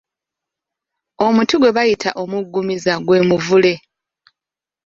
Omuti gwe bayita omuggumiza gwe muvule.